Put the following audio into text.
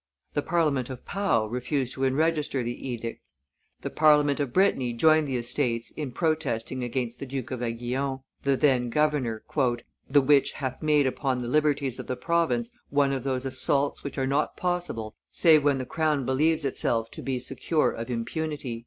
The Parliament of Pau refused to enregister the edicts; the Parliament of Brittany joined the Estates in protesting against the Duke of Aiguillon, the then governor, "the which hath made upon the liberties of the province one of those assaults which are not possible save when the crown believes itself to be secure of impunity."